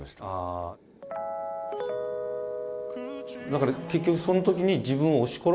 だから結局そのときに。